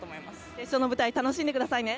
決勝の舞台楽しんでくださいね。